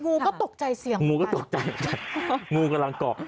ูก็ตกใจเสี่ยงงูก็ตกใจงูกำลังเกาะ